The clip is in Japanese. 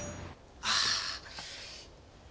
ああ。